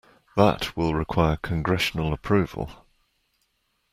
That will require congressional approval.